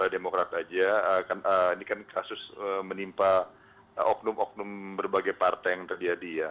demikian gitu loh